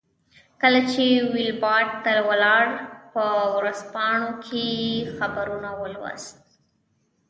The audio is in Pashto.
کله چې ویلباډ ته ولاړ په ورځپاڼو کې یې خبرونه ولوستل.